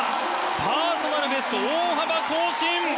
パーソナルベストを大幅更新！